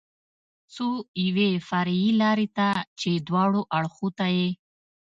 څو یوې فرعي لارې ته چې دواړو اړخو ته یې.